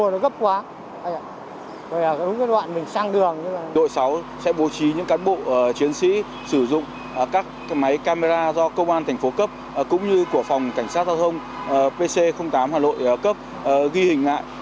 lý giải do công an thành phố cấp cũng như của phòng cảnh sát giao thông pc tám hà nội cấp ghi hình lại